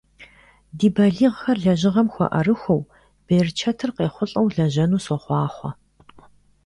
Ди балигъхэр лэжьыгъэм хуэӀэрыхуэу, берычэтыр къайхъулӀэу лэжьэну сохъуахъуэ!